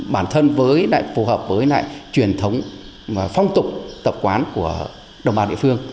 bản thân phù hợp với truyền thống phong tục tập quán của đồng bào địa phương